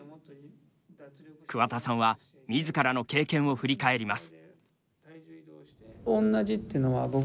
桑田さんは自らの経験を振り返ります。